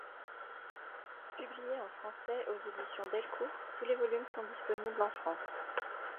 Publié en français aux éditions Delcourt, tous les volumes sont disponibles en France.